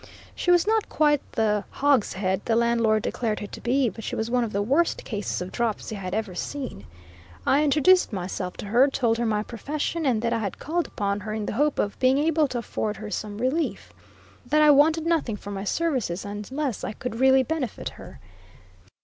She was not quite the "hogshead" the landlord declared her to be, but she was one of the worst cases of dropsy I had ever seen. I introduced myself to her, told her my profession, and that I had called upon her in the hope of being able to afford her some relief; that I wanted nothing for my services unless I could really benefit her.